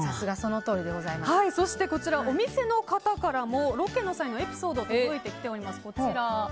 こちらお店の方からもロケの際のエピソードが届いてきております。